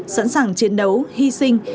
sẵn sàng chiến đấu hy sinh